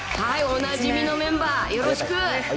おなじみのメンバー、よろしく。